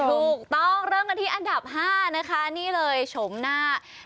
ถูกต้องเริ่มกันที่อันดับ๕นะคะนี่เลยโฉมหน้า